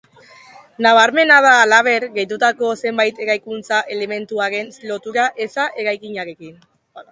Nabarmena da, halaber, gehitutako zenbait eraikuntza-elementuren lotura eza eraikinarekin.